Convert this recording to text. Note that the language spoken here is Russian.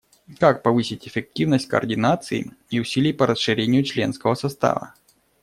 Как повысить эффективность координации и усилий по расширению членского состава?